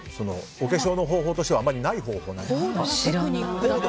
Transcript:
お化粧の方法としてはあまりない方法ですか？